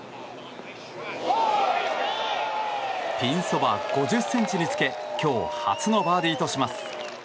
ピンそば５０ｃｍにつけ今日初のバーディーとします。